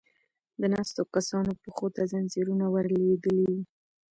د ناستو کسانو پښو ته ځنځيرونه ور لوېدلې و.